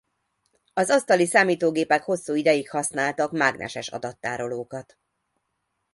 Az asztali számítógépek hosszú ideig használtak mágneses adattárolókat.